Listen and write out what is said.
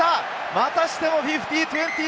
またしても、５０：２２。